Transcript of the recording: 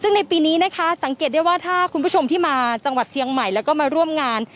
ซึ่งในปีนี้นะคะสังเกตได้ว่าถ้าคุณผู้ชมที่มาจังหวัดเชียงใหม่แล้วก็มาร่วมงาน